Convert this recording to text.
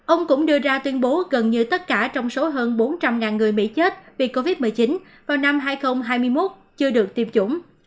ông cũng đưa ra tuyên bố gần như tất cả trong số hơn bốn trăm linh người mỹ chết vì covid một mươi chín vào năm hai nghìn hai mươi một chưa được tiêm chủng